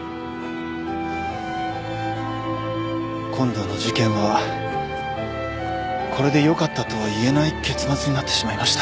今度の事件はこれでよかったとは言えない結末になってしまいました。